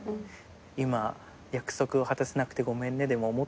今約束を果たせなくてごめんねでも思ってんのかいと。